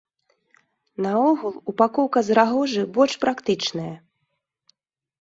Наогул, упакоўка з рагожы больш практычная.